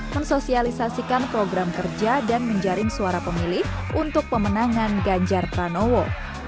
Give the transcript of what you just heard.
mensosialisasikan program kerja dan menjaring suara pemilih untuk pemenangan ganjar pranowo